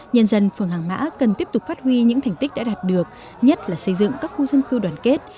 nhân dân phường hàng mã cần tiếp tục phát huy những thành tích đã đạt được nhất là xây dựng các khu dân cư đoàn kết